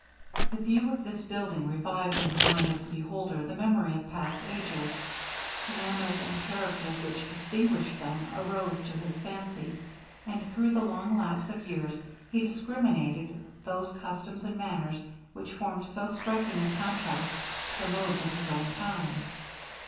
The view of this building revived in the mind of the beholder the memory of past ages. The manners and characters which distinguished them arose to his fancy, and through the long lapse of years he discriminated those customs and manners which formed so striking a contrast to the modes of his own times.